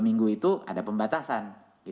minggu itu ada pembatasan